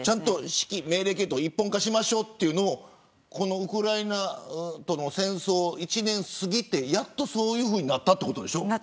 指揮命令系統を一本化しましょうというのをウクライナとの戦争、１年過ぎてやっとそういうふうになった。